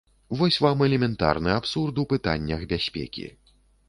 Вось вам элементарны абсурд у пытаннях бяспекі.